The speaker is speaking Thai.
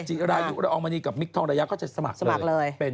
จิรายุรอมณีกับมิคทองระยะก็จะสมัครเลย